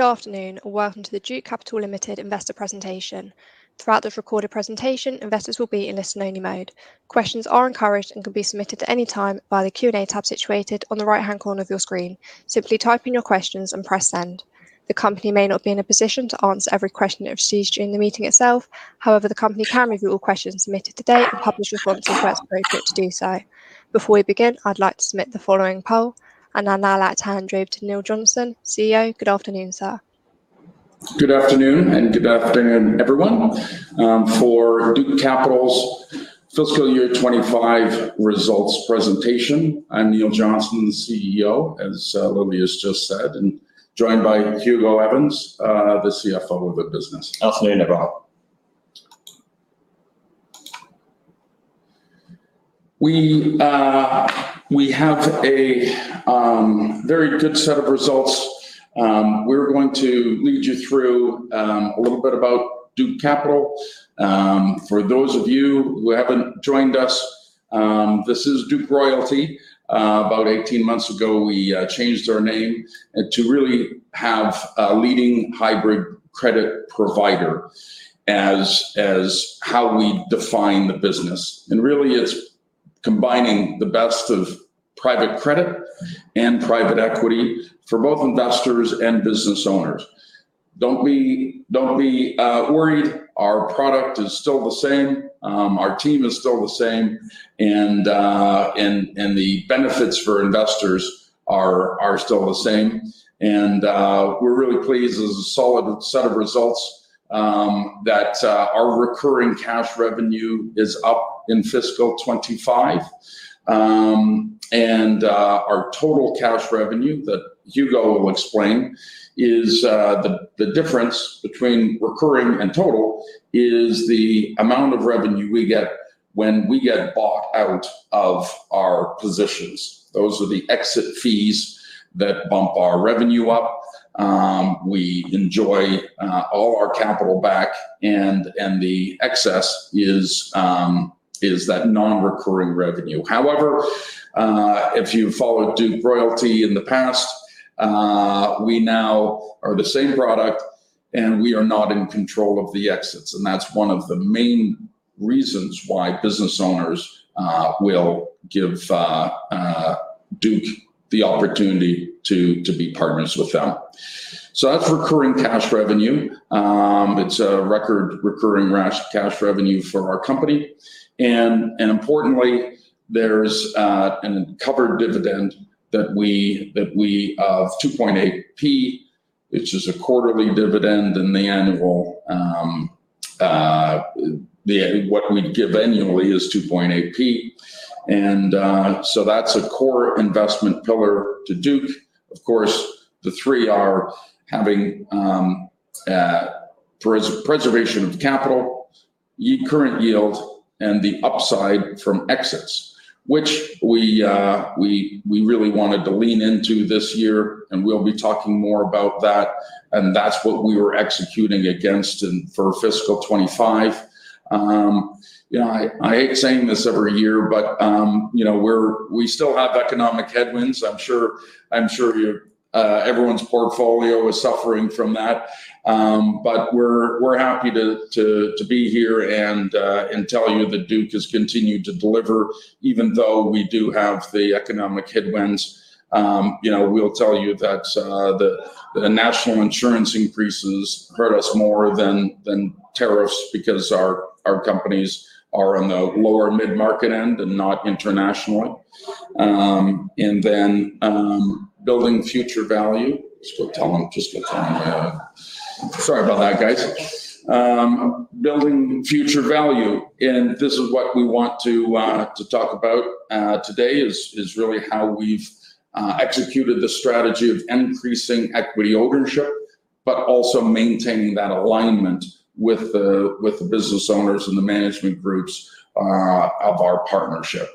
Good afternoon and welcome to the Duke Capital Limited Investor Presentation. Throughout this recorded presentation, investors will be in listen-only mode. Questions are encouraged and can be submitted at any time by the Q&A tab situated on the right-hand corner of your screen. Simply type in your questions and press send. The company may not be in a position to answer every question it receives during the meeting itself. However, the company can review all questions submitted today and publish responses where it's appropriate to do so. Before we begin, I'd like to submit the following poll, and I'd now like to hand over to Neil Johnson, CEO. Good afternoon, sir. Good afternoon, everyone, for Duke Capital's Fiscal Year 2025 results presentation. I'm Neil Johnson, the CEO, as Olivia's just said, and joined by Hugo Evans, the CFO of the business. Afternoon, everyone. We have a very good set of results. We're going to lead you through a little bit about Duke Capital. For those of you who haven't joined us, this is Duke Royalty. About 18 months ago, we changed our name to really have a leading hybrid credit provider as how we define the business. Really it's combining the best of private credit and private equity for both investors and business owners. Don't be worried, our product is still the same. Our team is still the same, and the benefits for investors are still the same. We're really pleased. This is a solid set of results that our recurring cash revenue is up in fiscal 2025. Our total cash revenue that Hugo will explain, is the difference between recurring and total, is the amount of revenue we get when we get bought out of our positions. Those are the exit fees that bump our revenue up. We enjoy all our capital back and the excess is that non-recurring revenue. However, if you've followed Duke Royalty in the past, we now are the same product and we are not in control of the exits. That's one of the main reasons why business owners will give Duke the opportunity to be partners with them. That's recurring cash revenue. It's a record recurring cash revenue for our company. And importantly, there's a covered dividend of 2.8p, which is a quarterly dividend, and what we give annually is 2.8p. And, so that's a core investment pillar to Duke. Of course, the three are having preservation of capital, current yield, and the upside from exits, which we really wanted to lean into this year and we'll be talking more about that. And that's what we were executing against and for fiscal 25. I hate saying this every year, but we still have economic headwinds. I'm sure everyone's portfolio is suffering from that. But we're happy to be here and tell you that Duke has continued to deliver, even though we do have the economic headwinds. We'll tell you that the National Insurance increases hurt us more than tariffs because our companies are on the lower mid-market end and not internationally. And then, building future value. Just go tell him, yeah. Sorry about that, guys. Building future value. This is what we want to talk about today is really how we've executed the strategy of increasing equity ownership, but also maintaining that alignment with the business owners and the management groups of our partnership.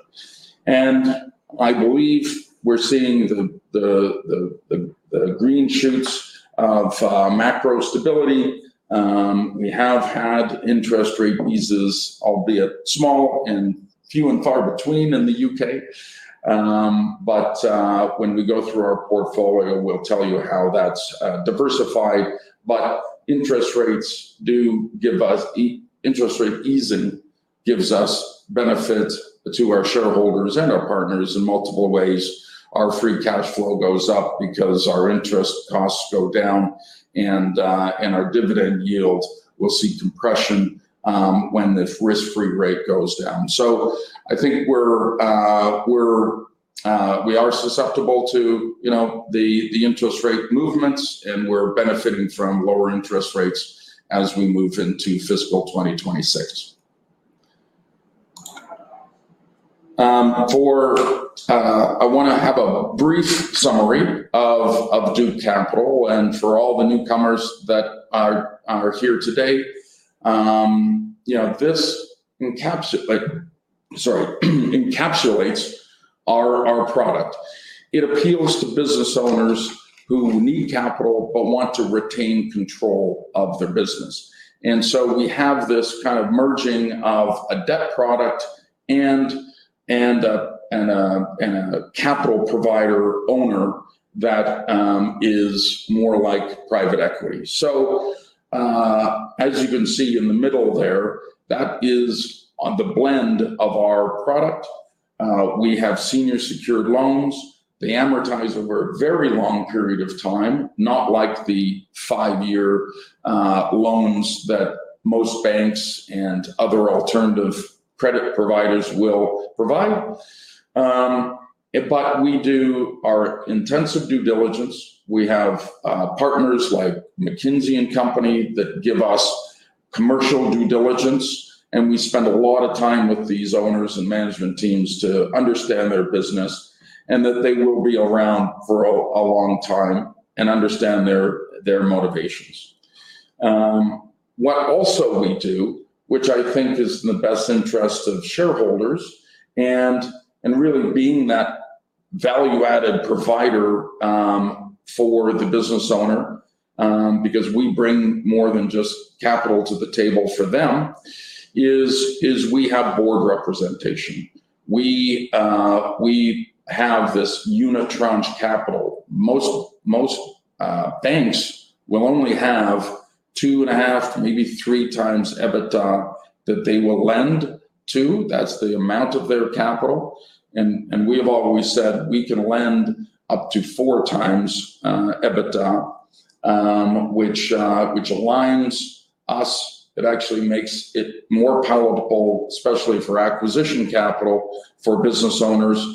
I believe we're seeing the green shoots of macro stability. We have had interest rate eases, albeit small and few and far between in the U.K. When we go through our portfolio, we'll tell you how that's diversified. Interest rate easing gives us benefit to our shareholders and our partners in multiple ways. Our free cash flow goes up because our interest costs go down, and our dividend yield will see compression when the risk-free rate goes down. I think we are susceptible to the interest rate movements, and we're benefiting from lower interest rates as we move into fiscal 2026. I want to have a brief summary of Duke Capital and for all the newcomers that are here today. This encapsulates our product. It appeals to business owners who need capital but want to retain control of their business. We have this kind of merging of a debt product and a capital provider owner that is more like private equity. As you can see in the middle there, that is on the blend of our product. We have senior secured loans. They amortize over a very long period of time, not like the five-year loans that most banks and other alternative credit providers will provide. We do our intensive due diligence. We have partners like McKinsey & Company that give us commercial due diligence, and we spend a lot of time with these owners and management teams to understand their business and that they will be around for a long time and understand their motivations. What also we do, which I think is in the best interest of shareholders and really being that value-added provider for the business owner, because we bring more than just capital to the table for them, is we have board representation. We have this unitranche capital. Most banks will only have 2.5x, maybe 3x EBITDA that they will lend to. That's the amount of their capital. We have always said we can lend up to 4x EBITDA, which aligns us. It actually makes it more palatable, especially for acquisition capital for business owners,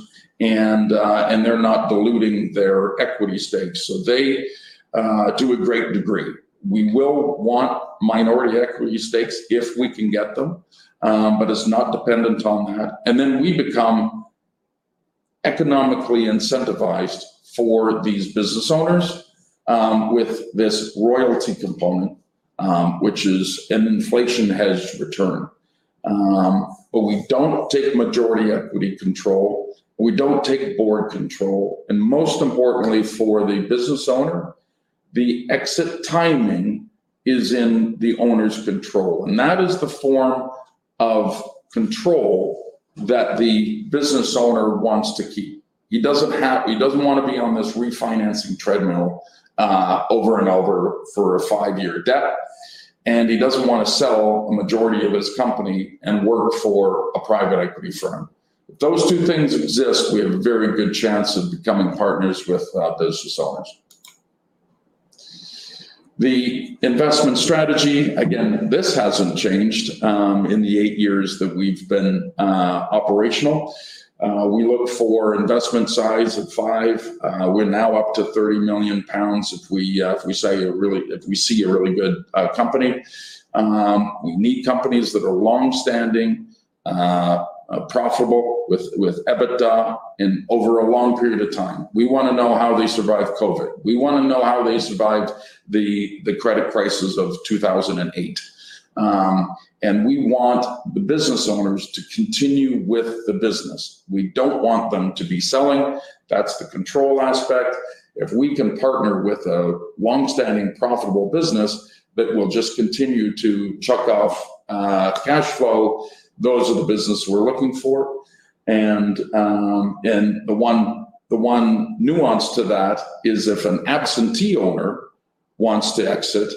and they're not diluting their equity stakes. We will want minority equity stakes if we can get them, but it's not dependent on that. We become economically incentivized for these business owners, with this royalty component, which is an inflation-hedged return. We don't take majority equity control. We don't take board control. Most importantly for the business owner, the exit timing is in the owner's control. That is the form of control that the business owner wants to keep. He doesn't want to be on this refinancing treadmill over and over for a five-year debt, and he doesn't want to sell a majority of his company and work for a private equity firm. If those two things exist, we have a very good chance of becoming partners with those business owners. The investment strategy, again, this hasn't changed in the eight years that we've been operational. We look for investment size of 5. We're now up to 30 million pounds if we see a really good company. We need companies that are long-standing, profitable with EBITDA and over a long period of time. We want to know how they survived COVID. We want to know how they survived the credit crisis of 2008. We want the business owners to continue with the business. We don't want them to be selling. That's the control aspect. If we can partner with a long-standing profitable business that will just continue to chuck off cash flow, those are the business we're looking for. The one nuance to that is if an absentee owner wants to exit,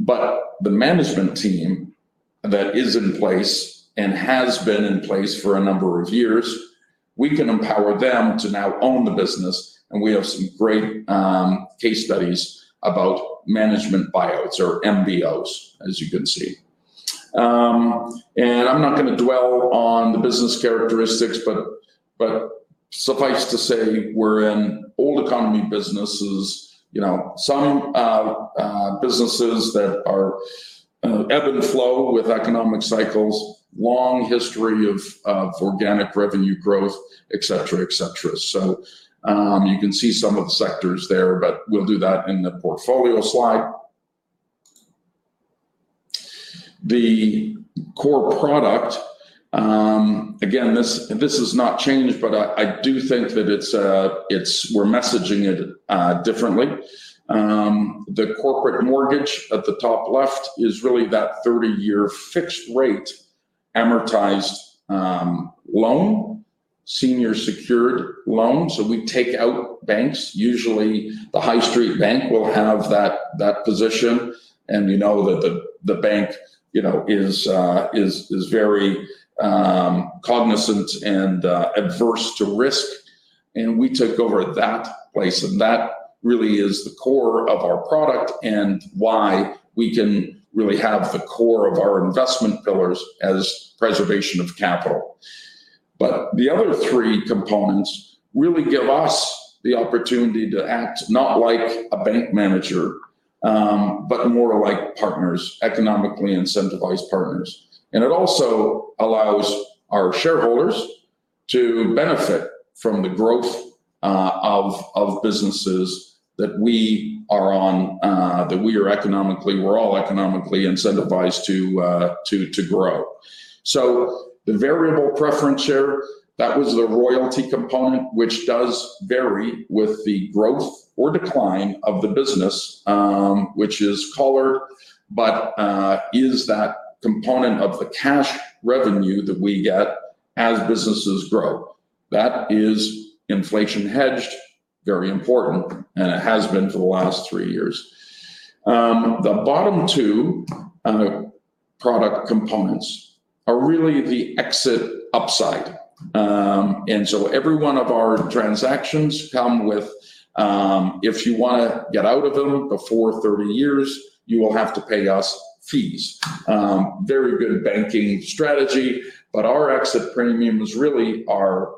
but the management team that is in place and has been in place for a number of years, we can empower them to now own the business. We have some great case studies about management buyouts or MBOs, as you can see. I'm not going to dwell on the business characteristics, but suffice to say, we're in old economy businesses. Some businesses that are ebb and flow with economic cycles, long history of organic revenue growth, et cetera. You can see some of the sectors there, but we'll do that in the portfolio slide. The core product, again, this has not changed, but I do think that we're messaging it differently. The corporate mortgage at the top left is really that 30-year fixed-rate amortized loan, senior secured loan. We take out banks. Usually the high street bank will have that position, and we know that the bank is very cognizant and averse to risk, and we took over that place. That really is the core of our product and why we can really have the core of our investment pillars as preservation of capital. The other three components really give us the opportunity to act not like a bank manager, but more like partners, economically incentivized partners. It also allows our shareholders to benefit from the growth of businesses that we're all economically incentivized to grow. The variable preference share, that was the royalty component, which does vary with the growth or decline of the business, which is collared, but is that component of the cash revenue that we get as businesses grow. That is inflation hedged, very important, and it has been for the last three years. The bottom two product components are really the exit upside. Every one of our transactions come with, if you want to get out of them before 30 years, you will have to pay us fees. Very good banking strategy, but our exit premiums really are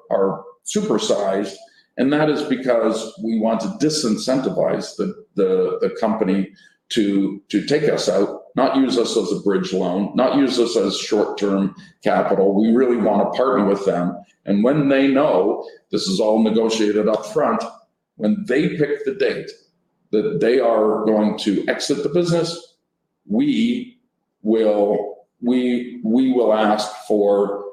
super-sized, and that is because we want to disincentivize the company to take us out, not use us as a bridge loan, not use us as short-term capital. We really want to partner with them. When they know, this is all negotiated up front, when they pick the date that they are going to exit the business, we will ask for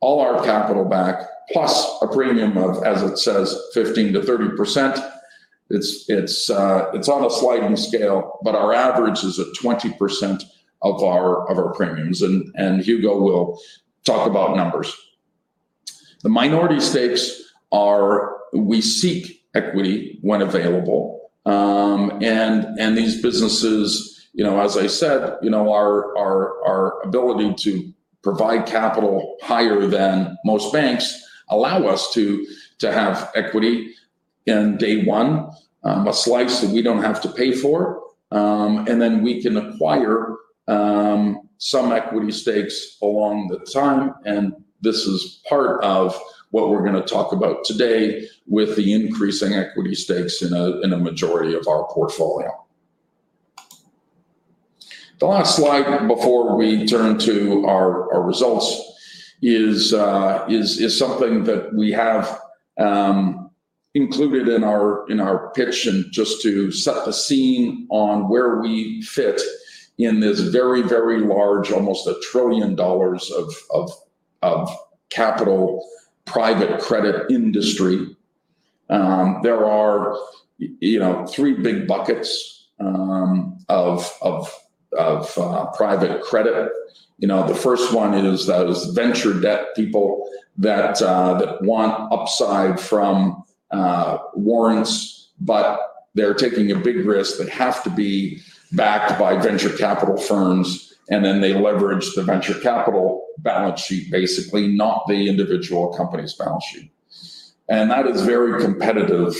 all our capital back, plus a premium of, as it says, 15%-30%. It's on a sliding scale, but our average is a 20% of our premiums. Hugo will talk about numbers. The minority stakes are, we seek equity when available. These businesses, as I said, our ability to provide capital higher than most banks allow us to have equity in day one, a slice that we don't have to pay for. We can acquire some equity stakes along the time. This is part of what we're going to talk about today with the increasing equity stakes in a majority of our portfolio. The last slide before we turn to our results is something that we have included in our pitch, and just to set the scene on where we fit in this very, very large, almost $1 trillion of capital private credit industry. There are three big buckets of private credit. First one is venture debt people that want upside from warrants, but they're taking a big risk that have to be backed by venture capital firms, and then they leverage the venture capital balance sheet, basically, not the individual company's balance sheet. That is very competitive,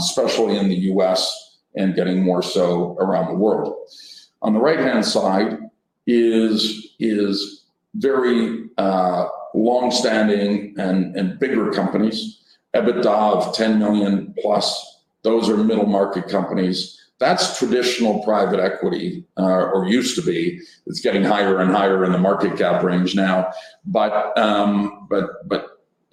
especially in the U.S., and getting more so around the world. On the right-hand side is very long-standing and bigger companies, EBITDA of $10 million+. Those are middle-market companies. That's traditional private equity, or used to be. It's getting higher and higher in the market cap range now.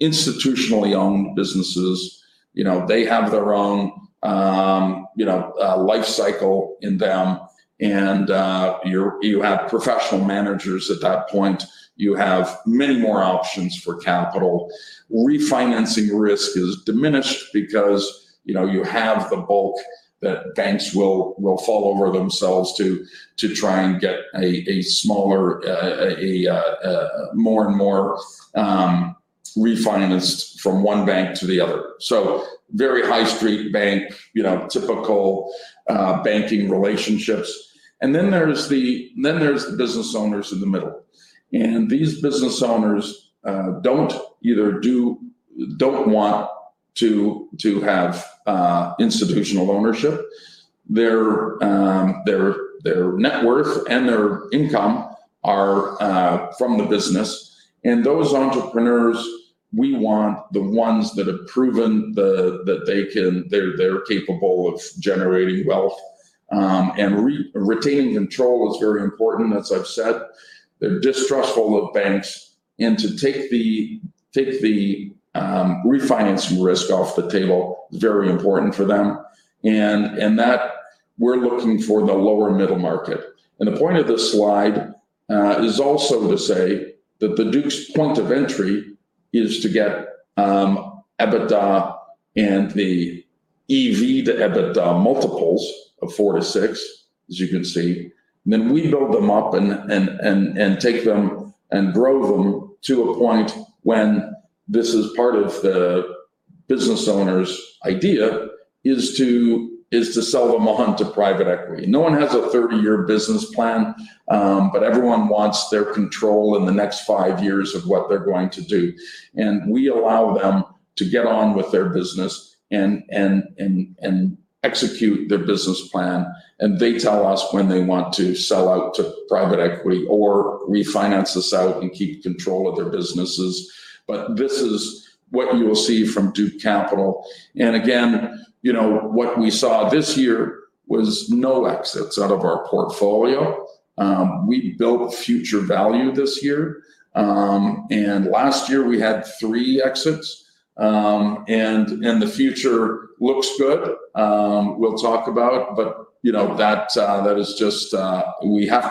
Institutionally owned businesses, they have their own life cycle in them, and you have professional managers at that point. You have many more options for capital. Refinancing risk is diminished because you have the bulk that banks will fall over themselves to try and get. More and more refinanced from one bank to the other, very high street bank, typical banking relationships. There's the business owners in the middle, and these business owners don't want to have institutional ownership. Their net worth and their income are from the business. Those entrepreneurs, we want the ones that have proven that they're capable of generating wealth. Retaining control is very important, as I've said. They're distrustful of banks, and to take the refinancing risk off the table, very important for them. We're looking for the lower middle market. The point of this slide is also to say that Duke's point of entry is to get EBITDA and the EV to EBITDA multiples of 4x-6x, as you can see. We build them up and take them and grow them to a point when this is part of the business owner's idea, is to sell them on to private equity. No one has a 30-year business plan, but everyone wants their control in the next five years of what they're going to do. We allow them to get on with their business and execute their business plan, and they tell us when they want to sell out to private equity or refinance this out and keep control of their businesses. This is what you will see from Duke Capital. Again, what we saw this year was no exits out of our portfolio. We built future value this year. Last year, we had three exits, and the future looks good. We'll talk about, we have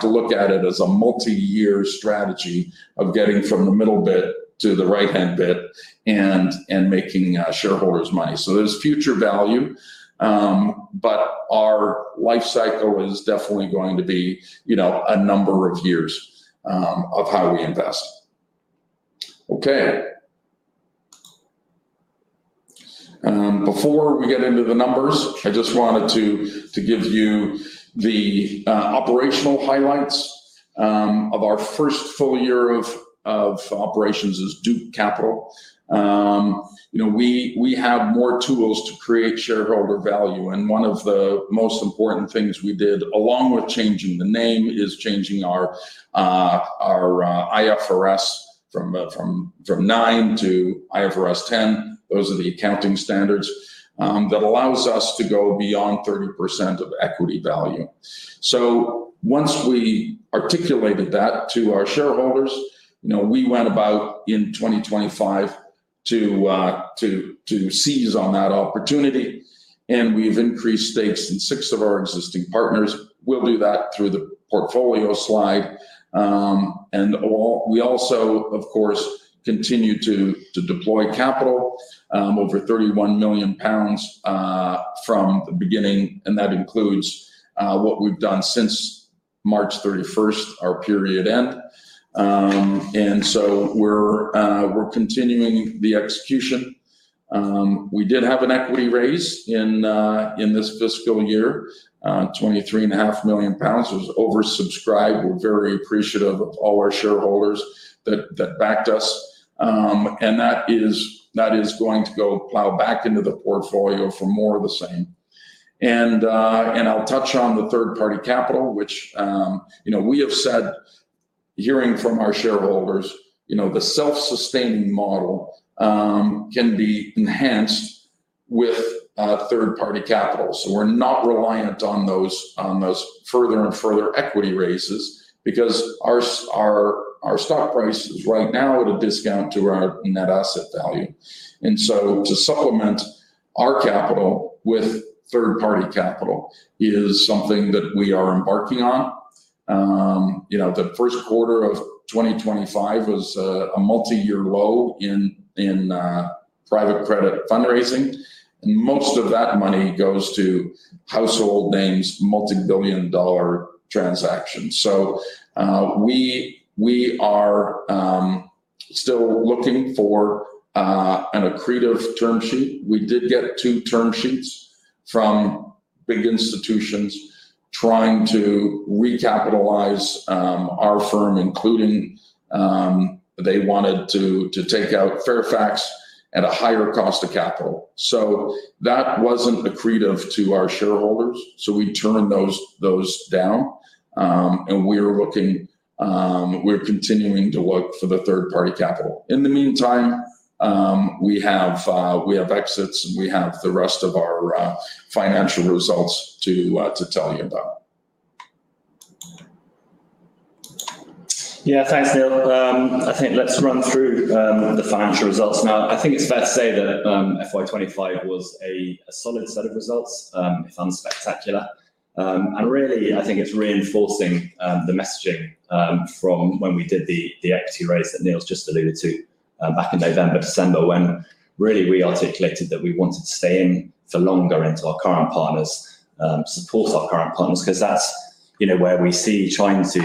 to look at it as a multi-year strategy of getting from the middle bit to the right-hand bit and making shareholders money. There's future value, but our life cycle is definitely going to be a number of years of how we invest. Okay. Before we get into the numbers, I just wanted to give you the operational highlights of our first full year of operations as Duke Capital. We have more tools to create shareholder value, and one of the most important things we did, along with changing the name, is changing our IFRS from nine to IFRS 10. Those are the accounting standards that allows us to go beyond 30% of equity value. Once we articulated that to our shareholders, we went about in 2025 to seize on that opportunity, and we've increased stakes in six of our existing partners. We'll do that through the portfolio slide. We also, of course, continue to deploy capital, over 31 million pounds from the beginning, and that includes what we've done since March 31st, our period end. We're continuing the execution. We did have an equity raise in this fiscal year, 23.5 million pounds. It was oversubscribed. We're very appreciative of all our shareholders that backed us, and that is going to go plow back into the portfolio for more of the same. I'll touch on the third-party capital, which we have said, hearing from our shareholders, the self-sustaining model can be enhanced with third-party capital. We're not reliant on those further and further equity raises because our stock price is right now at a discount to our net asset value. To supplement our capital with third-party capital is something that we are embarking on. The first quarter of 2025 was a multi-year low in private credit fundraising, and most of that money goes to household names, multi-billion-dollar transactions. We are still looking for an accretive term sheet. We did get two term sheets from big institutions trying to recapitalize our firm, including they wanted to take out Fairfax at a higher cost of capital. That wasn't accretive to our shareholders, so we turned those down. We're continuing to look for the third-party capital. In the meantime, we have exits, and we have the rest of our financial results to tell you about. Yeah, thanks, Neil. I think let's run through the financial results now. I think it's fair to say that FY 2025 was a solid set of results, if unspectacular. Really, I think it's reinforcing the messaging from when we did the equity raise that Neil's just alluded to back in November, December, when really we articulated that we wanted to stay in for longer into our current partners, support our current partners, because that's where we see trying to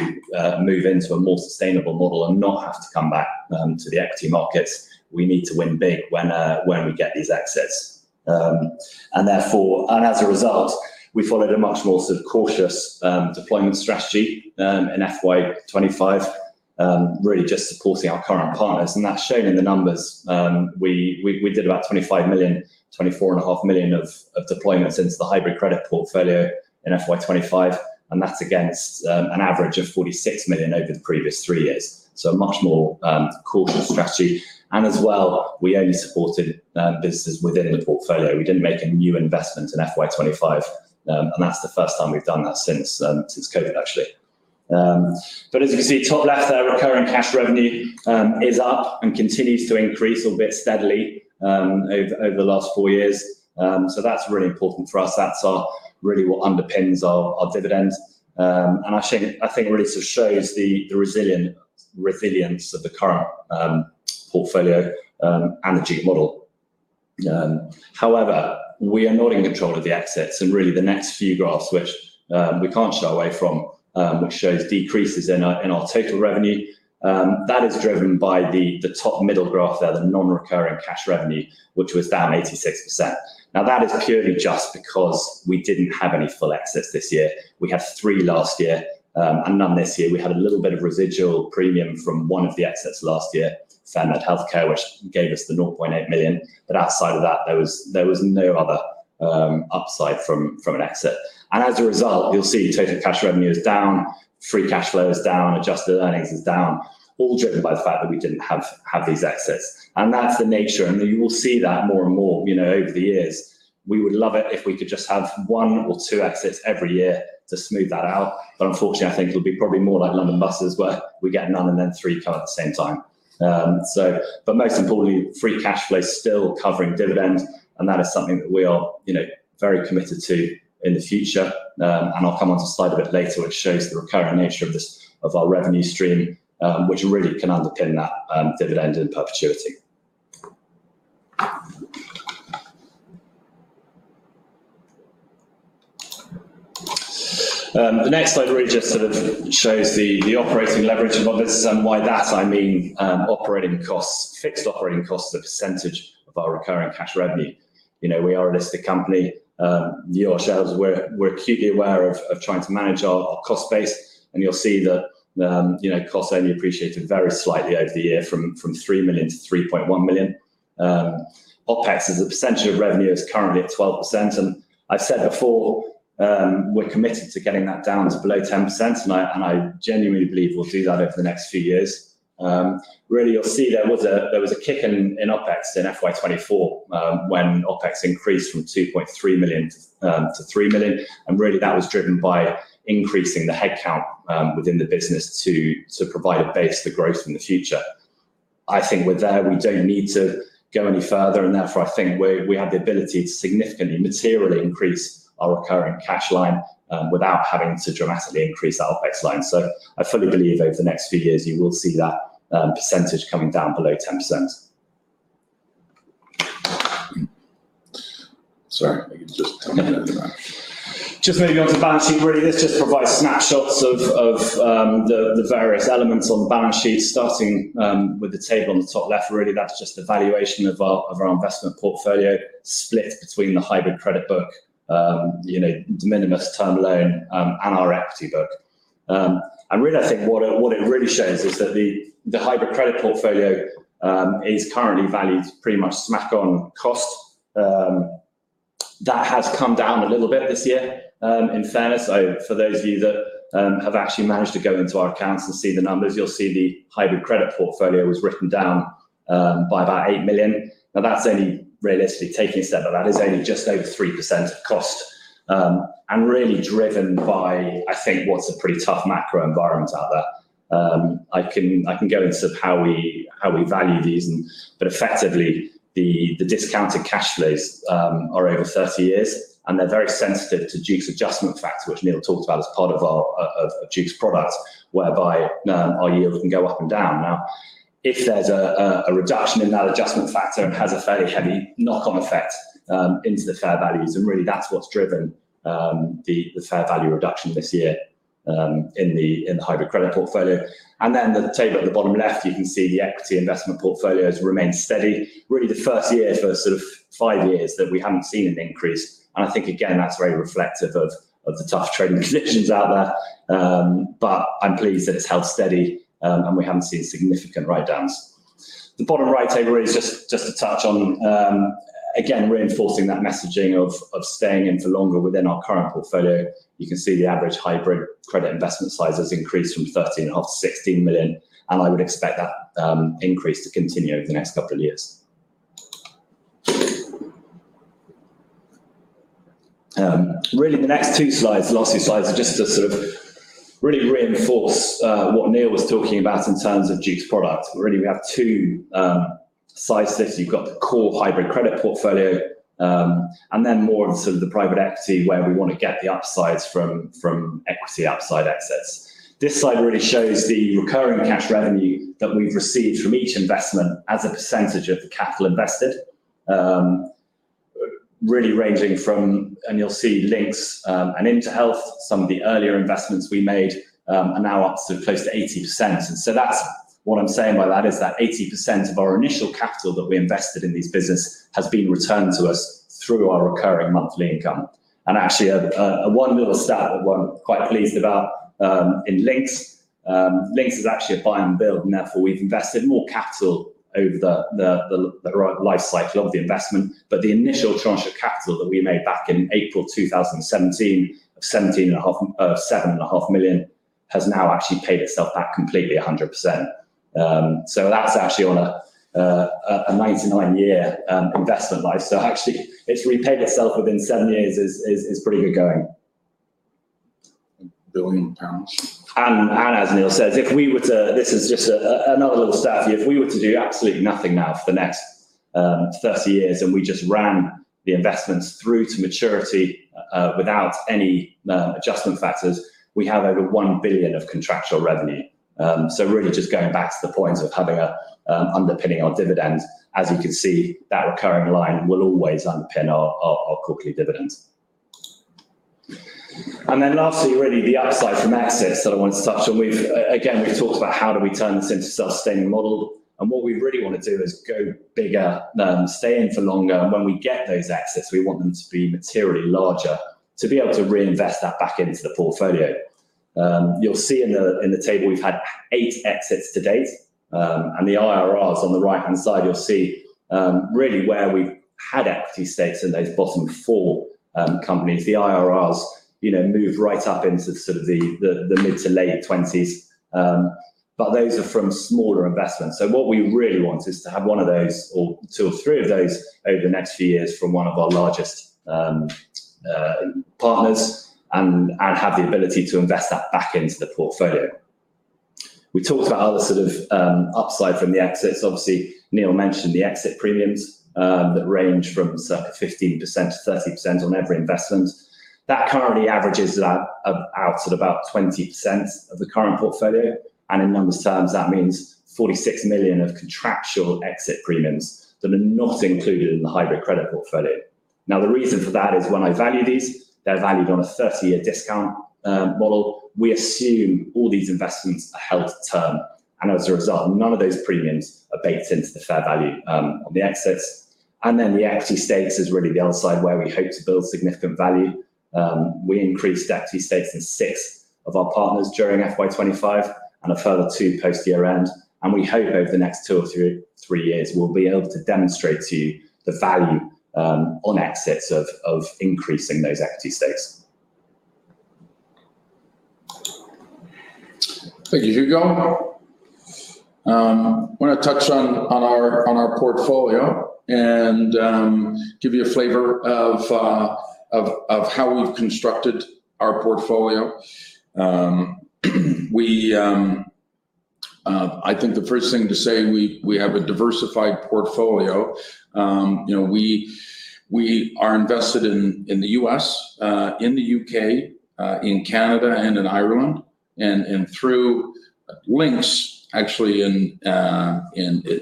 move into a more sustainable model and not have to come back to the equity markets. We need to win big when we get these exits. As a result, we followed a much more cautious deployment strategy in FY 2025, really just supporting our current partners, and that's shown in the numbers. We did about 25 million, 24.5 million of deployments into the hybrid credit portfolio in FY 2025, and that's against an average of 46 million over the previous three years, a much more cautious strategy. As well, we only supported businesses within the portfolio. We didn't make a new investment in FY 2025, and that's the first time we've done that since COVID, actually. As you can see, top left there, recurring cash revenue is up and continues to increase, albeit steadily, over the last four years. That's really important for us. That's really what underpins our dividends, I think, really shows the resilience of the current portfolio and the Duke model. However, we are not in control of the exits, really, the next few graphs, which we can't shy away from, which shows decreases in our total revenue. That is driven by the top middle graph there, the non-recurring cash revenue, which was down 86%. Now, that is purely just because we didn't have any full exits this year. We had three last year and none this year. We had a little bit of residual premium from one of the exits last year, Sandhurst Healthcare, which gave us the 0.8 million. Outside of that, there was no other upside from an exit. As a result, you'll see total cash revenue is down, free cash flow is down, adjusted earnings is down, all driven by the fact that we didn't have these exits. That's the nature, and you will see that more and more over the years. We would love it if we could just have one or two exits every year to smooth that out. Unfortunately, I think it'll be probably more like London buses, where we get none and then three come at the same time. Most importantly, free cash flow is still covering dividends, and that is something that we are very committed to in the future. I'll come onto a slide a bit later which shows the recurring nature of our revenue stream, which really can underpin that dividend in perpetuity. The next slide really just sort of shows the operating leverage of ours and by that I mean operating costs, fixed operating costs, the percentage of our recurring cash revenue. We are a listed company, you are shareholders, we're acutely aware of trying to manage our cost base, and you'll see that costs only appreciated very slightly over the year from 3 million-3.1 million. OpEx as a percentage of revenue is currently at 12%. I said before, we're committed to getting that down to below 10%, and I genuinely believe we'll do that over the next few years. Really you'll see there was a kick in OpEx in FY 2024, when OpEx increased from 2.3 million to 3 million. Really that was driven by increasing the headcount within the business to provide a base for growth in the future. I think we're there. We don't need to go any further. Therefore I think we have the ability to significantly materially increase our recurring cash line without having to dramatically increase our OpEx line. I fully believe over the next few years you will see that percentage coming down below 10%. Sorry, just a minute. Just moving on to balance sheet really. This just provides snapshots of the various elements on the balance sheet, starting with the table on the top left really that's just the valuation of our investment portfolio split between the hybrid credit book, de minimis term loan, and our equity book. Really I think what it really shows is that the hybrid credit portfolio is currently valued pretty much smack on cost. That has come down a little bit this year, in fairness. For those of you that have actually managed to go into our accounts and see the numbers, you'll see the hybrid credit portfolio was written down by about 8 million. Now that's only realistically taking a step, but that is only just over 3% of cost, and really driven by, I think what's a pretty tough macro environment out there. I can go into how we value these, but effectively the discounted cash flows are over 30 years and they're very sensitive to Duke's adjustment factor, which Neil talked about as part of Duke's product, whereby our yield can go up and down. Now, if there's a reduction in that adjustment factor, it has a fairly heavy knock-on effect into the fair values. Really that's what's driven the fair value reduction this year in the hybrid credit portfolio. The table at the bottom left, you can see the equity investment portfolio has remained steady, really the first year for sort of five years that we haven't seen an increase, and I think again, that's very reflective of the tough trading conditions out there. I'm pleased that it's held steady, and we haven't seen significant write-downs. The bottom right table really is just a touch on again reinforcing that messaging of staying in for longer within our current portfolio. You can see the average hybrid credit investment size has increased from thirteen and a half to 16 million, and I would expect that increase to continue over the next couple of years. Really the next two slides, the last two slides are just to sort of really reinforce what Neil was talking about in terms of Duke's product, really we have two sides to this. You've got the core hybrid credit portfolio, and then more of the sort of the private equity where we want to get the upsides from equity upside exits. This slide really shows the recurring cash revenue that we've received from each investment as a percentage of the capital invested, really ranging from... You'll see Lynx and InterHealth, some of the earlier investments we made, are now up to close to 80%. That's what I'm saying by that is that 80% of our initial capital that we invested in this business has been returned to us through our recurring monthly income. Actually one little stat that I'm quite pleased about, in Lynx is actually a buy and build and therefore we've invested more capital over the life cycle of the investment. The initial tranche of capital that we made back in April 2017 of 7.5 million has now actually paid itself back completely 100%. That's actually on a 99-year investment life. Actually it's repaid itself within seven years is pretty good going. 1 billion pounds. As Neil says, this is just another little stat here. If we were to do absolutely nothing now for the next 30 years and we just ran the investments through to maturity without any adjustment factors, we have over 1 billion of contractual revenue. Really just going back to the point of having an underpinning on dividends, as you can see, that recurring line will always underpin our quarterly dividends. Lastly really the upside from exits that I want to touch on. Again, we've talked about how do we turn this into a self-sustaining model, and what we really want to do is go bigger, stay in for longer, and when we get those exits, we want them to be materially larger, to be able to reinvest that back into the portfolio. You'll see in the table we've had eight exits to date. The IRRs on the right-hand side you'll see really where we've had equity stakes in those bottom four companies. The IRRs move right up into the sort of the mid to late 20s. Those are from smaller investments. What we really want is to have one of those or two or three of those over the next few years from one of our largest partners, and have the ability to invest that back into the portfolio. We talked about the sort of upside from the exits. Obviously, Neil mentioned the exit premiums that range from sort of 15%-30% on every investment. That currently averages out at about 20% of the current portfolio. In numbers terms, that means 46 million of contractual exit premiums that are not included in the hybrid credit portfolio. Now, the reason for that is when I value these, they're valued on a 30-year discount model. We assume all these investments are held to term, and as a result, none of those premiums are baked into the fair value on the exits. The equity stakes is really the other side where we hope to build significant value. We increased equity stakes in six of our partners during FY 2025, and a further two post-year-end. We hope over the next two or three years, we'll be able to demonstrate to you the value on exits of increasing those equity stakes. Thank you, Hugo. I want to touch on our portfolio and give you a flavor of how we've constructed our portfolio. I think the first thing to say, we have a diversified portfolio. We are invested in the U.S., in the U.K., in Canada, and in Ireland, and through Lynx, actually in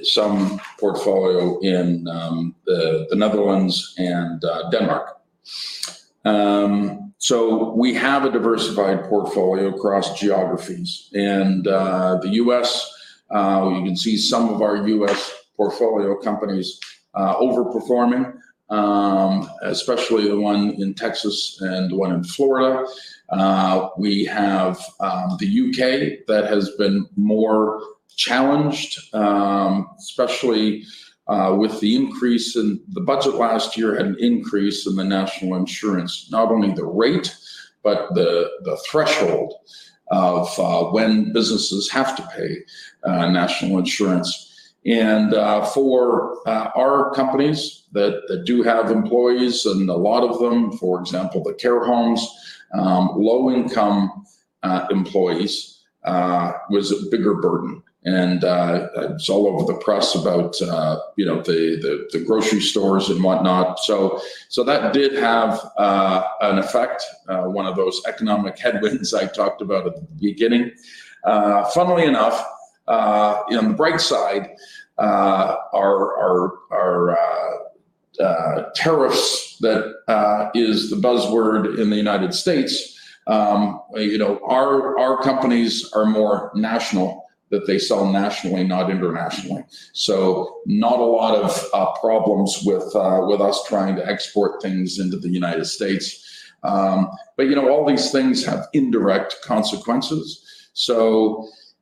some portfolio in the Netherlands and Denmark. We have a diversified portfolio across geographies. The U.S., you can see some of our U.S. portfolio companies overperforming, especially the one in Texas and the one in Florida. We have the U.K., that has been more challenged, especially with the increase in the Budget last year, had an increase in the National Insurance, not only the rate, but the threshold of when businesses have to pay National Insurance. For our companies that do have employees, and a lot of them, for example, the care homes, low-income employees, was a bigger burden. It's all over the press about the grocery stores and whatnot. That did have an effect, one of those economic headwinds I talked about at the beginning. Funnily enough, on the bright side, our tariffs, that is the buzzword in the United States. Our companies are more national, that they sell nationally, not internationally. Not a lot of problems with us trying to export things into the United States. All these things have indirect consequences.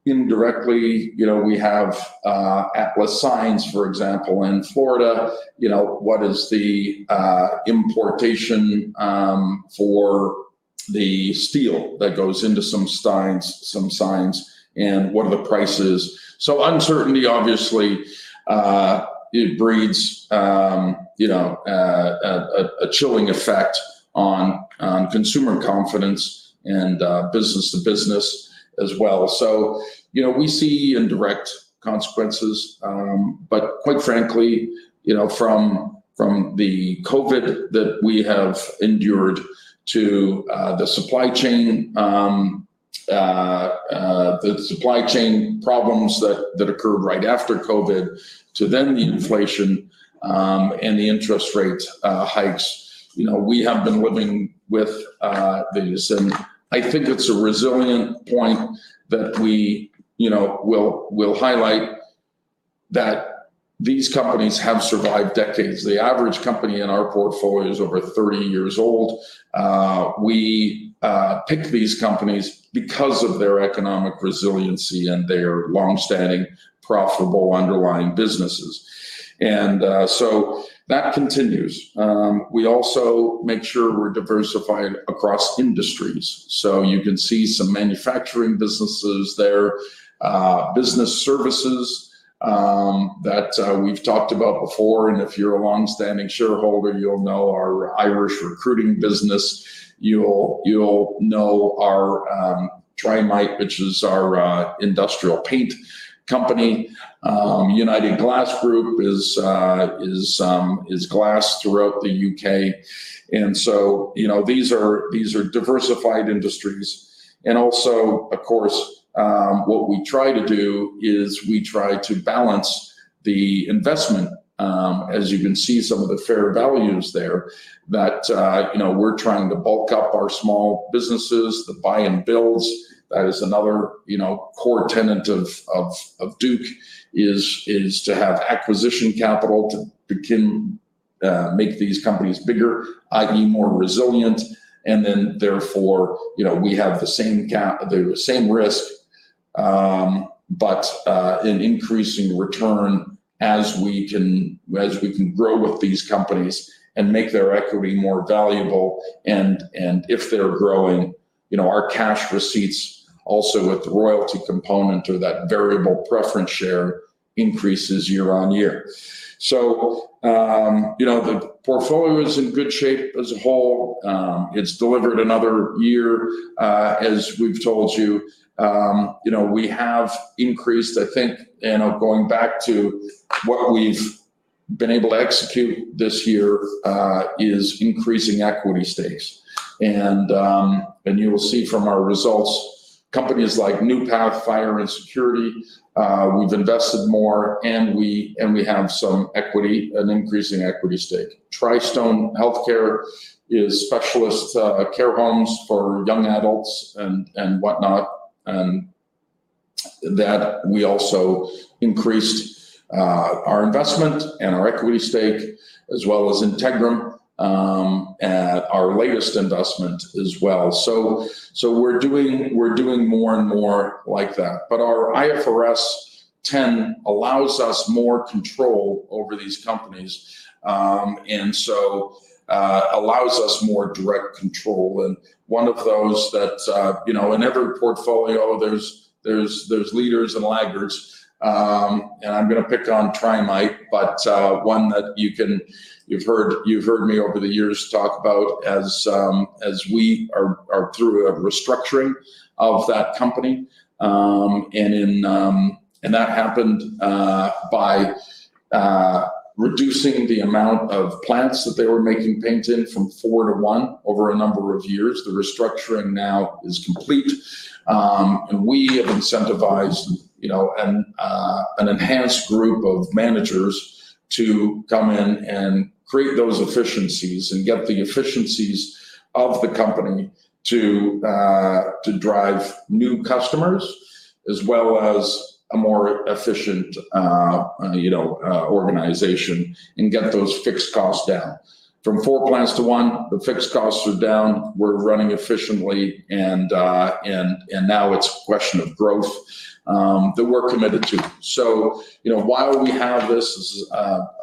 Indirectly, we have Atlas Sign Industries, for example, in Florida. What is the importation for the steel that goes into some signs, and what are the prices? Uncertainty, obviously, it breeds a chilling effect on consumer confidence and business-to-business as well. We see indirect consequences, but quite frankly, from the COVID that we have endured to the supply chain problems that occurred right after COVID, to then the inflation, and the interest rate hikes, we have been living with these. I think it's a resilient point that we'll highlight that these companies have survived decades. The average company in our portfolio is over 30 years old. We pick these companies because of their economic resiliency and their long-standing, profitable, underlying businesses. That continues. We also make sure we're diversified across industries. You can see some manufacturing businesses there, business services that we've talked about before, and if you're a longstanding shareholder, you'll know our Irish recruiting business. You'll know our Trimite, which is our industrial paint company. United Glass Group is glass throughout the U.K. These are diversified industries. Of course, what we try to do is we try to balance the investment. As you can see, some of the fair values there, that we're trying to bulk up our small businesses, the buy and builds. That is another core tenet of Duke is to have acquisition capital to make these companies bigger, i.e. more resilient. Therefore, we have the same risk, but an increasing return as we can grow with these companies and make their equity more valuable. If they're growing, our cash receipts also with the royalty component or that variable preference share increases year-on-year. The portfolio is in good shape as a whole. It's delivered another year. As we've told you, we have increased, I think, and going back to what we've been able to execute this year, is increasing equity stakes. You will see from our results. Companies like New Path Fire and Security, we've invested more and we have some equity, an increasing equity stake. Tristone Healthcare is specialist care homes for young adults and whatnot, and that we also increased our investment and our equity stake as well as Integrum, our latest investment as well. We're doing more and more like that. Our IFRS 10 allows us more control over these companies and allows us more direct control. One of those that, in every portfolio, there's leaders and laggards, and I'm going to pick on Trimite, but one that you've heard me over the years talk about as we are through a restructuring of that company. That happened by reducing the amount of plants that they were making paint in from four to one over a number of years. The restructuring now is complete. And we have incentivized an enhanced group of managers to come in and create those efficiencies and get the efficiencies of the company to drive new customers as well as a more efficient organization and get those fixed costs down. From four plants to one, the fixed costs are down. We're running efficiently and now it's a question of growth that we're committed to. So, while we have this as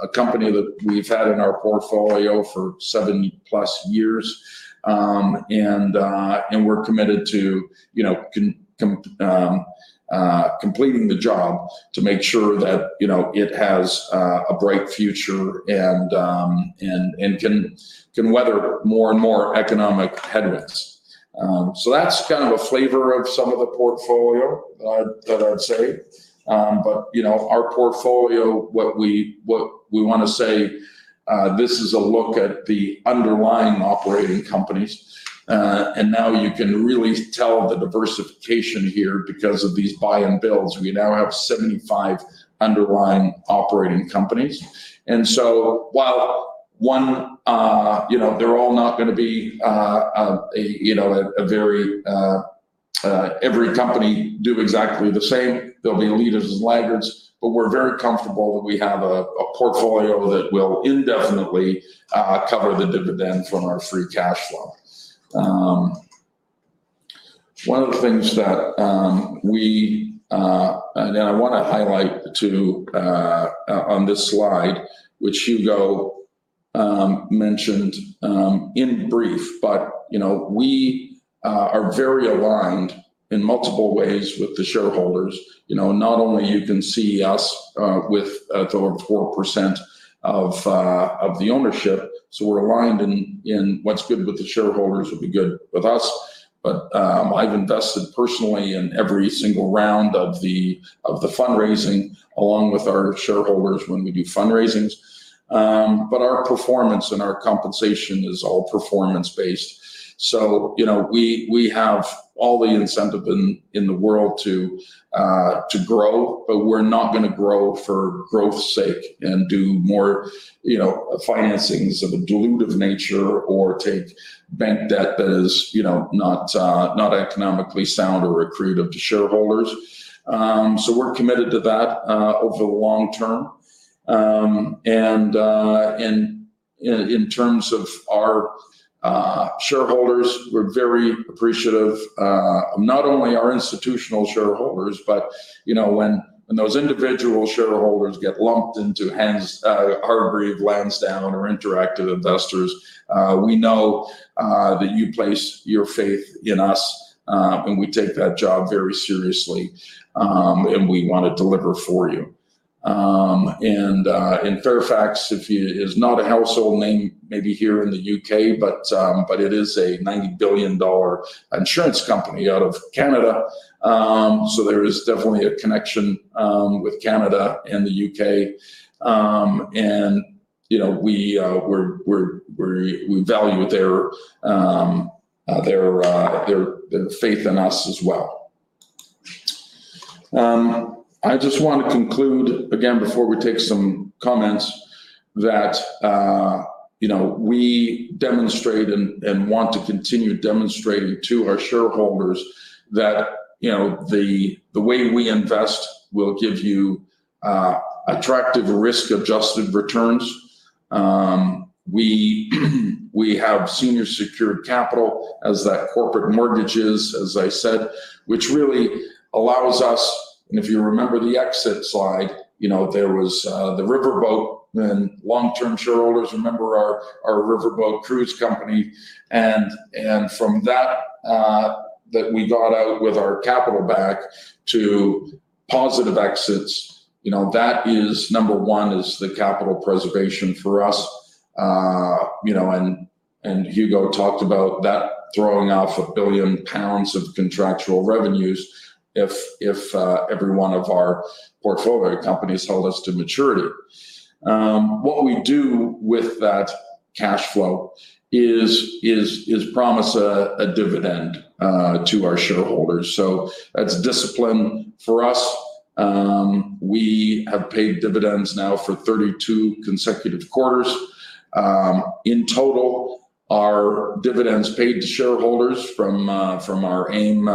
a company that we've had in our portfolio for 70+ years, and we're committed to completing the job to make sure that it has a bright future and can weather more and more economic headwinds. So that's kind of a flavor of some of the portfolio that I'd say. But our portfolio, what we want to say, this is a look at the underlying operating companies. You can really tell the diversification here because of these buy-and-builds. We now have 75 underlying operating companies. They're all not going to be, every company do exactly the same. There'll be leaders and laggards, but we're very comfortable that we have a portfolio that will indefinitely cover the dividend from our free cash flow. One of the things that I want to highlight, too, on this slide, which Hugo mentioned in brief, but we are very aligned in multiple ways with the shareholders. Not only you can see us with over 4% of the ownership, so we're aligned in what's good with the shareholders will be good with us. I've invested personally in every single round of the fundraising along with our shareholders when we do fundraisings. Our performance and our compensation is all performance-based. We have all the incentive in the world to grow, but we're not going to grow for growth's sake and do more financings of a dilutive nature or take bank debt that is not economically sound or accretive to shareholders. We're committed to that over the long term. In terms of our shareholders, we're very appreciative, not only our institutional shareholders, but when those individual shareholders get lumped into hands, Hargreaves Lansdown or interactive investor, we know that you place your faith in us, and we take that job very seriously. We want to deliver for you. Fairfax is not a household name, maybe here in the U.K., but it is a $90 billion insurance company out of Canada. There is definitely a connection with Canada and the U.K. We value their faith in us as well. I just want to conclude again before we take some comments that we demonstrate and want to continue demonstrating to our shareholders that the way we invest will give you attractive risk-adjusted returns. We have senior secured capital as that corporate mortgage is, as I said, which really allows us, and if you remember the exit slide, there was the riverboat and long-term shareholders remember our riverboat cruise company and from that we got out with our capital back to positive exits. That is number one is the capital preservation for us. Hugo talked about that throwing off 1 billion pounds of contractual revenues if every one of our portfolio companies held us to maturity. What we do with that cash flow is promise a dividend to our shareholders. That's discipline for us. We have paid dividends now for 32 consecutive quarters. In total, our dividends paid to shareholders from our AIM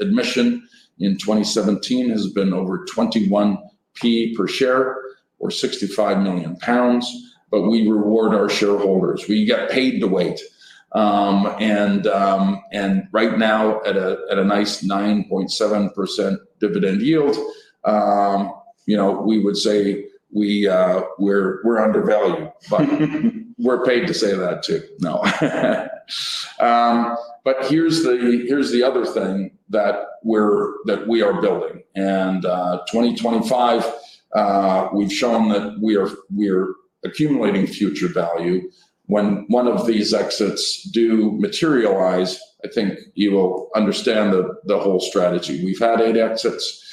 admission in 2017 has been over 0.21 per share or 65 million pounds. We reward our shareholders. We get paid to wait. Right now at a nice 9.7% dividend yield, we would say we're undervalued. We're paid to say that, too. No. Here's the other thing that we are building. 2025, we've shown that we're accumulating future value. When one of these exits do materialize, I think you will understand the whole strategy. We've had eight exits.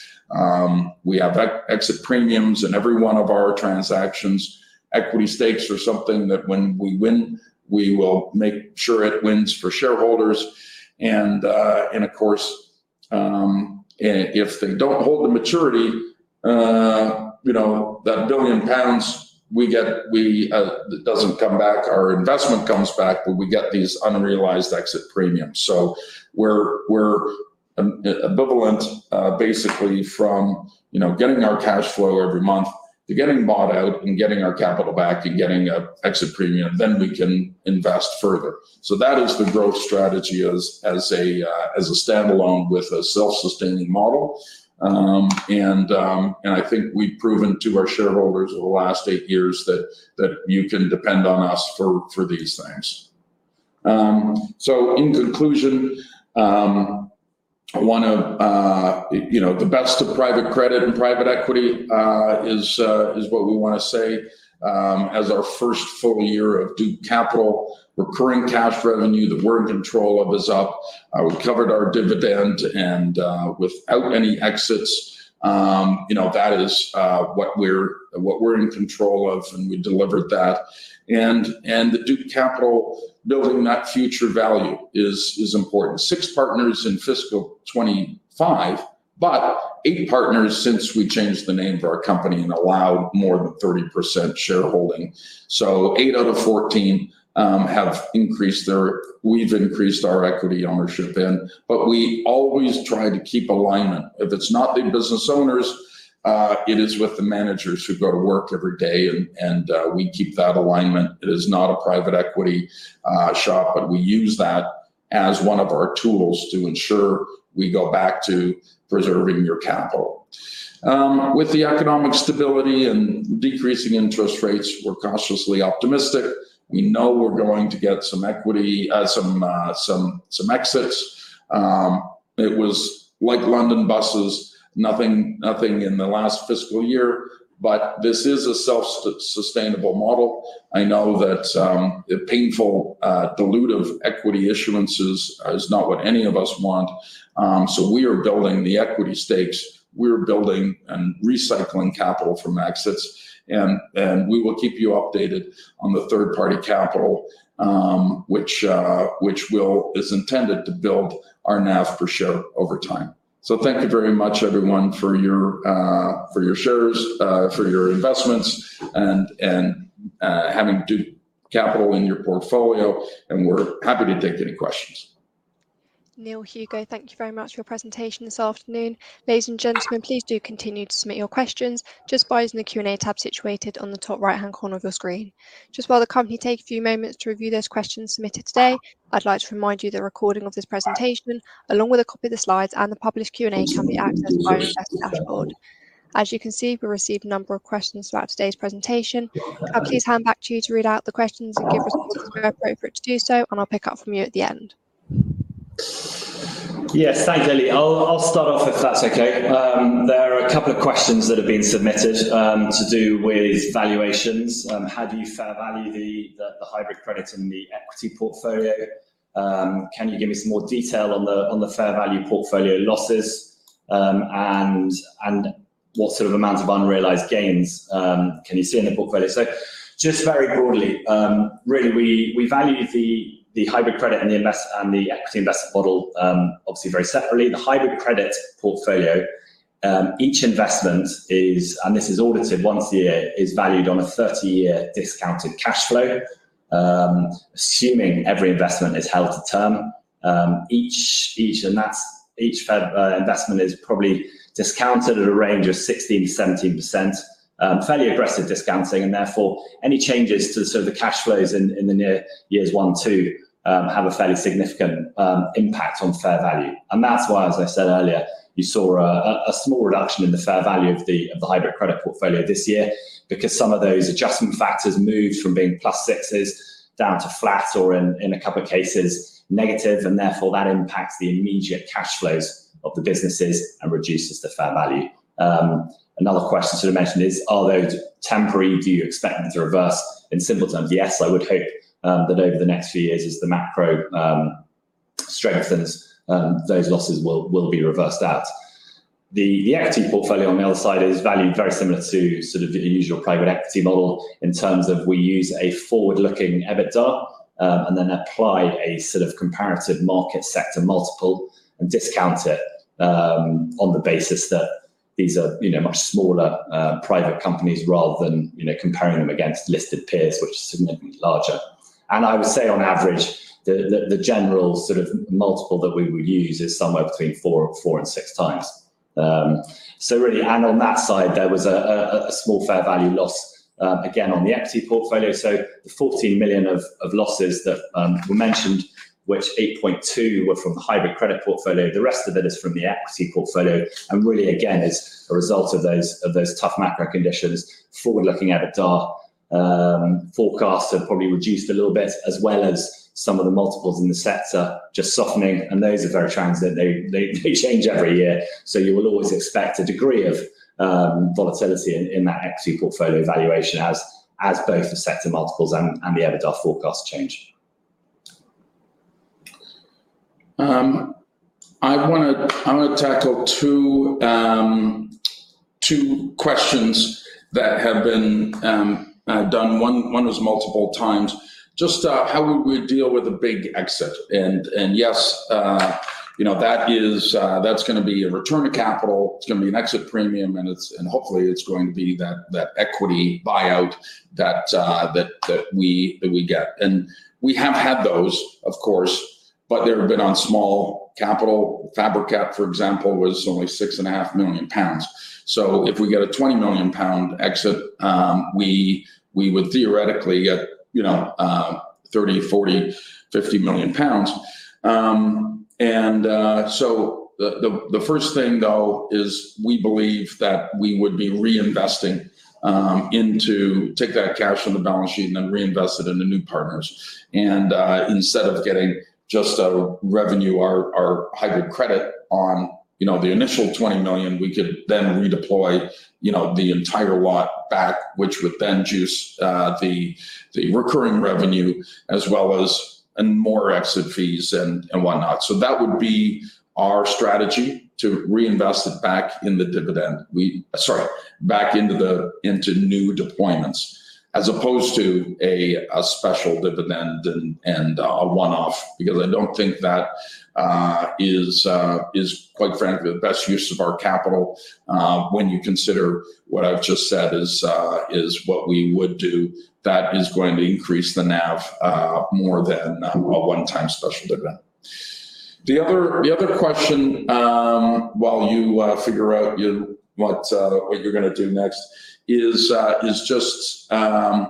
We have exit premiums in every one of our transactions. Equity stakes are something that when we win, we will make sure it wins for shareholders, and of course, if they don't hold to maturity, that 1 billion pounds it doesn't come back. Our investment comes back, but we get these unrealized exit premiums. We're ambivalent basically from getting our cash flow every month to getting bought out and getting our capital back and getting an exit premium. We can invest further. That is the growth strategy as a standalone with a self-sustaining model. I think we've proven to our shareholders over the last eight years that you can depend on us for these things. In conclusion, the best of private credit and private equity is what we want to say as our first full year of Duke Capital. Recurring cash revenue that we're in control of is up. We've covered our dividend and without any exits. That is what we're in control of, and we delivered that. The Duke Capital building that future value is important. Six partners in fiscal 2025, but eight partners since we changed the name of our company and allowed more than 30% shareholding. Eight out of 14, we've increased our equity ownership in. We always try to keep alignment. If it's not the business owners, it is with the managers who go to work every day, and we keep that alignment. It is not a private equity shop, but we use that as one of our tools to ensure we go back to preserving your capital. With the economic stability and decreasing interest rates, we're cautiously optimistic. We know we're going to get some exits. It was like London buses, nothing in the last fiscal year, but this is a self-sustainable model. I know that a painful dilutive equity issuance is not what any of us want. We are building the equity stakes. We're building and recycling capital from exits. We will keep you updated on the third-party capital, which is intended to build our NAV per share over time. Thank you very much, everyone, for your shares, for your investments and having Duke Capital in your portfolio. We're happy to take any questions. Neil, Hugo, thank you very much for your presentation this afternoon. Ladies and gentlemen, please do continue to submit your questions just by using the Q&A tab situated on the top right-hand corner of your screen. Just while the company take a few moments to review those questions submitted today, I'd like to remind you that a recording of this presentation, along with a copy of the slides and the published Q&A, can be accessed via your investor dashboard. As you can see, we received a number of questions throughout today's presentation. I'll please hand back to you to read out the questions and give responses where appropriate to do so, and I'll pick up from you at the end. Thanks, I'll start off if that's okay. There are a couple of questions that have been submitted to do with valuations. How do you fair value the hybrid credit in the equity portfolio? Can you give me some more detail on the fair value portfolio losses? What sort of amount of unrealized gains can you see in the book value? Just very broadly, really we value the hybrid credit and the equity investment model obviously very separately. The hybrid credit portfolio, each investment, and this is audited once a year, is valued on a 30-year discounted cash flow, assuming every investment is held to term. Each investment is probably discounted at a range of 16%-17%, fairly aggressive discounting, and therefore any changes to sort of the cash flows in the near years one, two, have a fairly significant impact on fair value. That's why, as I said earlier, you saw a small reduction in the fair value of the hybrid credit portfolio this year because some of those adjustment factors moved from being +6s down to flat or in a couple of cases, negative, and therefore that impacts the immediate cash flows of the businesses and reduces the fair value. Another question sort of mentioned is, are those temporary? Do you expect them to reverse? In simple terms, yes. I would hope that over the next few years as the macro. Strengthens, those losses will be reversed out. The equity portfolio on the other side is valued very similar to sort of your usual private equity model in terms of we use a forward-looking EBITDA and then apply a sort of comparative market sector multiple and discount it on the basis that these are much smaller private companies rather than comparing them against listed peers, which are significantly larger. I would say on average, the general sort of multiple that we would use is somewhere between 4x and 6x. Really, and on that side, there was a small fair value loss again on the equity portfolio. The 14 million of losses that were mentioned, which 8.2 were from the hybrid credit portfolio, the rest of it is from the equity portfolio and really again, is a result of those tough macro conditions. Forward-looking EBITDA forecasts have probably reduced a little bit as well as some of the multiples in the sector just softening, and those are very transient. They change every year, so you will always expect a degree of volatility in that equity portfolio valuation as both the sector multiples and the EBITDA forecasts change. I want to tackle two questions that have been done, one was multiple times. Just how would we deal with a big exit? Yes, that's going to be a return of capital. It's going to be an exit premium, and hopefully it's going to be that equity buyout that we get. We have had those, of course, but they've been on small capital. Fabrikat, for example, was only 6.5 million pounds. If we get a 20 million pound exit, we would theoretically get 30 million pounds, 40 million, 50 million pounds. The first thing, though, is we believe that we would be reinvesting to take that cash on the balance sheet and then reinvest it into new partners. Instead of getting just a revenue, our hybrid credit on the initial 20 million, we could then redeploy the entire lot back, which would then juice the recurring revenue as well as more exit fees and whatnot. That would be our strategy to reinvest it back in the dividend, sorry, back into new deployments as opposed to a special dividend and a one-off because I don't think that is quite frankly the best use of our capital when you consider what I've just said is what we would do. That is going to increase the NAV more than a one-time special dividend. The other question, while you figure out what you're going to do next, is just a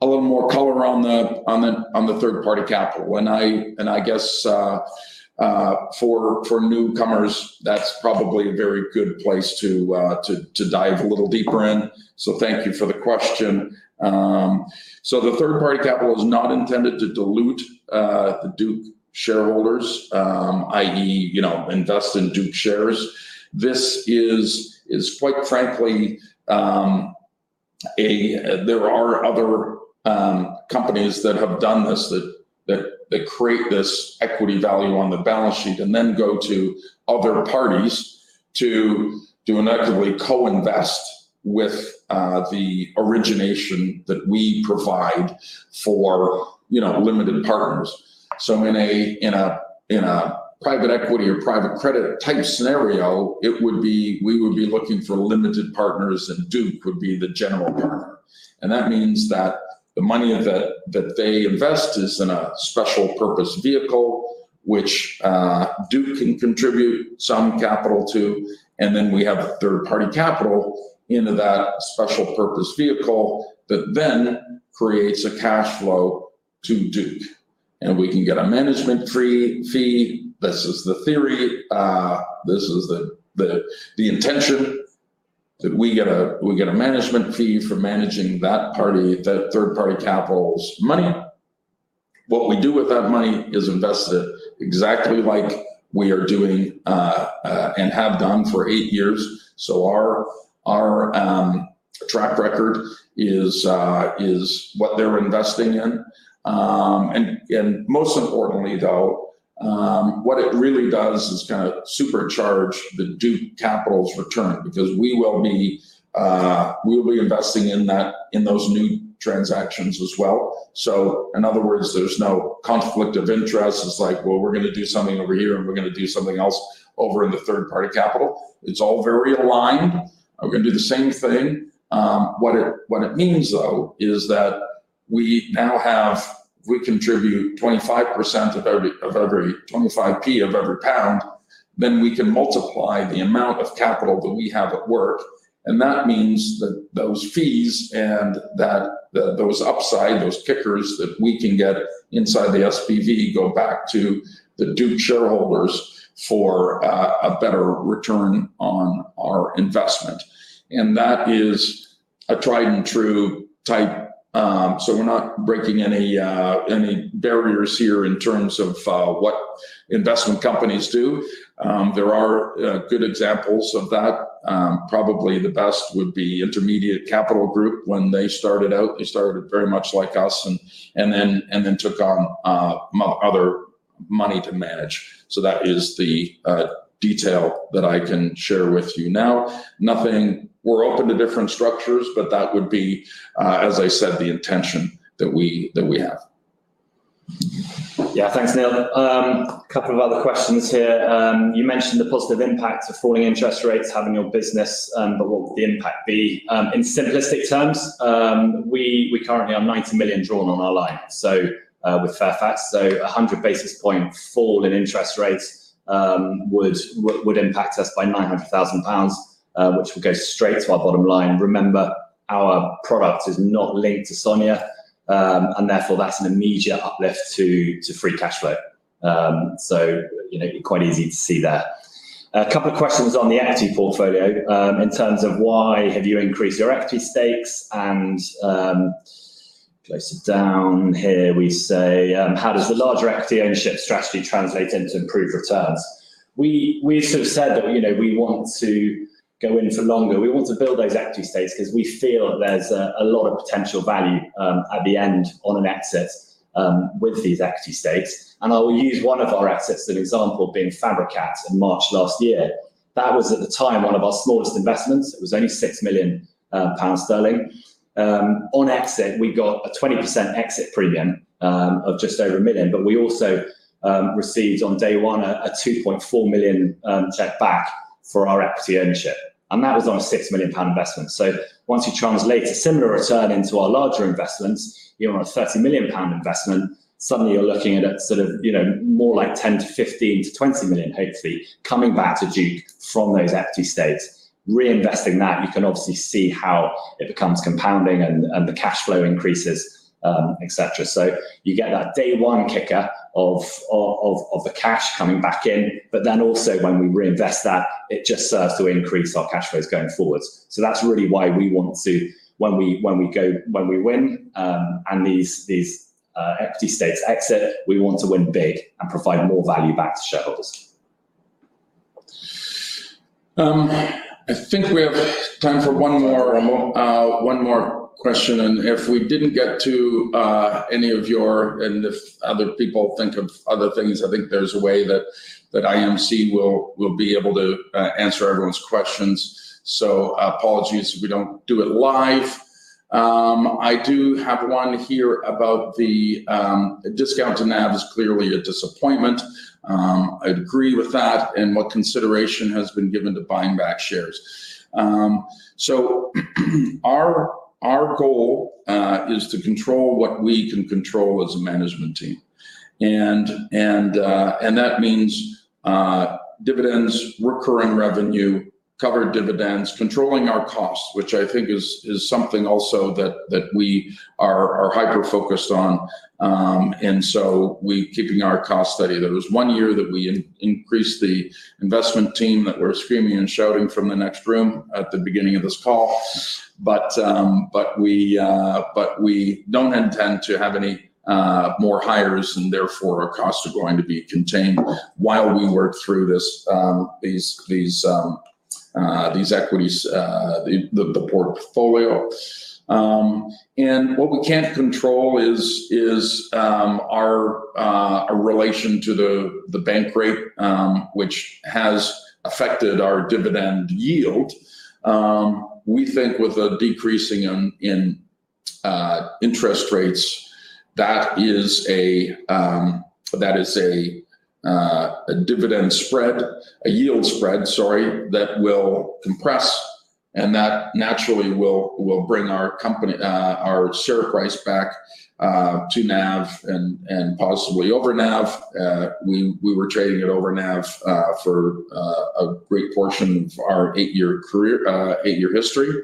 little more color on the third-party capital. I guess, for newcomers, that's probably a very good place to dive a little deeper in. Thank you for the question. The third-party capital is not intended to dilute Duke shareholders, i.e., invest in Duke shares. There are other companies that have done this that create this equity value on the balance sheet and then go to other parties to effectively co-invest with the origination that we provide for limited partners. In a private equity or private credit type scenario, we would be looking for limited partners, and Duke would be the general partner. That means that the money that they invest is in a special purpose vehicle, which Duke can contribute some capital to, and then we have a third-party capital into that special purpose vehicle that then creates a cash flow to Duke. We can get a management fee. This is the theory. This is the intention, that we get a management fee for managing that third-party capital's money. What we do with that money is invest it exactly like we are doing, and have done for eight years. Our track record is what they're investing in. Most importantly, though, what it really does is kind of supercharge the Duke Capital's return because we will be investing in those new transactions as well. In other words, there's no conflict of interest. It's like, well, we're going to do something over here, and we're going to do something else over in the third-party capital. It's all very aligned. We're going to do the same thing. What it means, though, is that if we contribute 0.25 of every 1, then we can multiply the amount of capital that we have at work. That means that those fees and that those upside, those PIKers that we can get inside the SPV go back to the Duke shareholders for a better return on our investment. That is a tried-and-true type. We're not breaking any barriers here in terms of what investment companies do. There are good examples of that. Probably the best would be Intermediate Capital Group. When they started out, they started very much like us and then took on other money to manage. That is the detail that I can share with you now. We're open to different structures, but that would be, as I said, the intention that we have. Yeah, thanks, Neil. A couple of other questions here. You mentioned the positive impact of falling interest rates having your business, but what would the impact be? In simplistic terms, we currently have 90 million drawn on our line with Fairfax, so 100 basis point fall in interest rates would impact us by 900,000 pounds, which would go straight to our bottom line. Remember, our product is not linked to SONIA, and therefore that's an immediate uplift to free cash flow. Quite easy to see there. A couple of questions on the equity portfolio in terms of why have you increased your equity stakes and, closer down here we say, how does the larger equity ownership strategy translate into improved returns? We sort of said that we want to go in for longer. We want to build those equity stakes because we feel there's a lot of potential value at the end on an exit with these equity stakes. I will use one of our exits, an example being Fabrikat in March last year. That was, at the time, one of our smallest investments. It was only 6 million pounds. On exit, we got a 20% exit premium of just over 1 million. We also received on day one a 2.4 million check back for our equity ownership, and that was on a 6 million pound investment. Once you translate a similar return into our larger investments, on a 30 million pound investment, suddenly you're looking at sort of more like 10 million-15 million-GBP 20 million hopefully coming back to Duke from those equity stakes. Reinvesting that, you can obviously see how it becomes compounding and the cash flow increases, et cetera. You get that day one kicker of the cash coming back in. Also when we reinvest that, it just serves to increase our cash flows going forward. That's really why we want to, when we win and these equity stakes exit, we want to win big and provide more value back to shareholders. I think we have time for one more question and if we didn't get to any of yours, and if other people think of other things, I think there's a way that IMC will be able to answer everyone's questions. Apologies if we don't do it live. I do have one here about the discount to NAV is clearly a disappointment. I'd agree with that, and what consideration has been given to buying back shares? Our goal is to control what we can control as a management team, and that means dividends, recurring revenue, covered dividends, controlling our costs, which I think is something also that we are hyper-focused on. We keeping our costs steady. There was one year that we increased the investment team that were screaming and shouting from the next room at the beginning of this call. We don't intend to have any more hires and therefore our costs are going to be contained while we work through these equities, the portfolio. What we can't control is our relation to the bank rate, which has affected our dividend yield. We think with a decreasing in interest rates, that is a dividend spread, a yield spread, sorry, that will compress and that naturally will bring our share price back to NAV and possibly over NAV. We were trading at over NAV for a great portion of our eight-year history.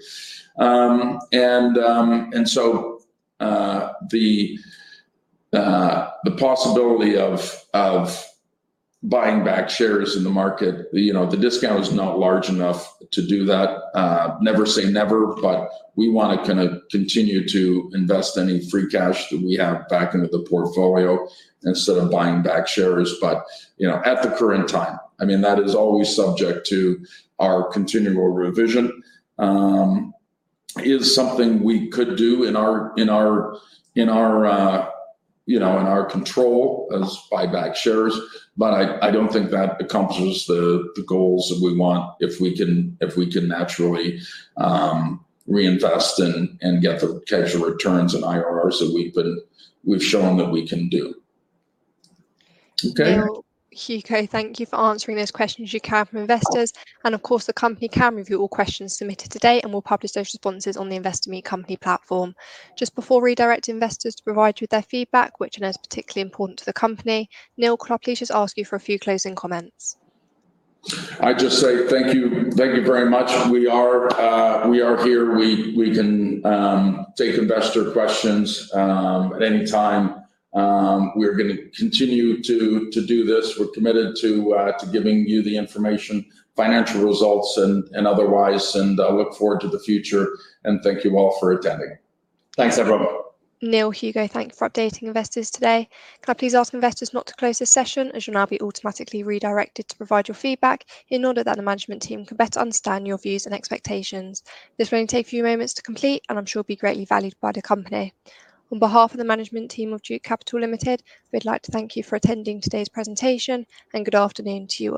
The possibility of buying back shares in the market, the discount is not large enough to do that. Never say never, but we want to kind of continue to invest any free cash that we have back into the portfolio instead of buying back shares at the current time. I mean, that is always subject to our continual revision. It is something we could do in our control as buyback shares, but I don't think that accomplishes the goals that we want if we can naturally reinvest and get the returns and IRRs that we've shown that we can do. Okay. Neil, Hugo, thank you for answering those questions you can from investors. Of course, the company can review all questions submitted today and will publish those responses on the Investor Meet Company platform. Just before redirecting investors to provide you with their feedback, which I know is particularly important to the company, Neil, could I please just ask you for a few closing comments? I'd just say thank you. Thank you very much. We are here. We can take investor questions at any time. We're going to continue to do this. We're committed to giving you the information, financial results and otherwise, and I look forward to the future, and thank you all for attending. Thanks, everyone. Neil, Hugo, thank you for updating investors today. Could I please ask investors not to close this session, as you'll now be automatically redirected to provide your feedback in order that the management team can better understand your views and expectations? This will only take a few moments to complete and I'm sure will be greatly valued by the company. On behalf of the management team of Duke Capital Limited, we'd like to thank you for attending today's presentation and good afternoon to you all.